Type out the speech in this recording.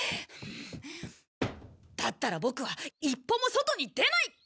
だったらボクは一歩も外に出ない！